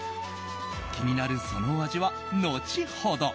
気になるそのお味は、後ほど。